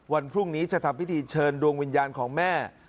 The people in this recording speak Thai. วันพรุ่งนี้จะทำพิธีเชิญดวงวิญญาณของแม่